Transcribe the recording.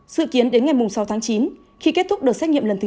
dự kiến đến ngày sáu chín khi kết thúc đợt xét nghiệm lần thứ hai